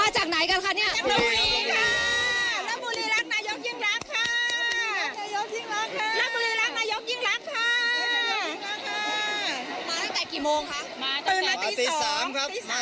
ชนหรือเปล่าเพราะว่าตามกำหนดเวลาแล้วยังเหลือเวลาอีกประมาณ๑๕นาทีนะฮะ